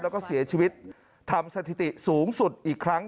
แล้วก็เสียชีวิตทำสถิติสูงสุดอีกครั้ง